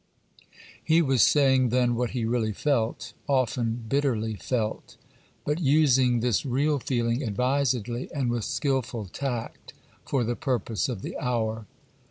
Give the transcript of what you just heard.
He was saying then what he really felt—often bitterly felt; but using this real feeling advisedly, and with skilful tact, for the purpose of the hour.